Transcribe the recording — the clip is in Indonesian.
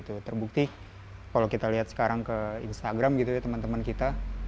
terbukti kalau kita lihat sekarang ke instagram gitu ya teman teman kita